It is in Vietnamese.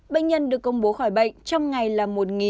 bệnh nhân được công bố khỏi bệnh trong ngày là một chín trăm bốn mươi một